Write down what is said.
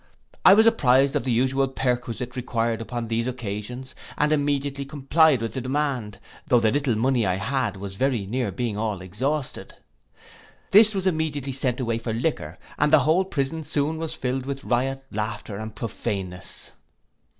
I was apprized of the usual perquisite required upon these occasions, and immediately complied with the demand, though the little money I had was very near being all exhausted. This was immediately sent away for liquor, and the whole prison soon was filled with riot, laughter, and prophaneness.